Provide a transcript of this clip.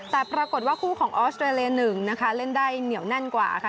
แต่ปรากฏว่าคู่ของออสเตรเลีย๑นะคะเล่นได้เหนียวแน่นกว่าค่ะ